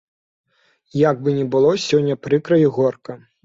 Як бы ні было сёння прыкра і горка.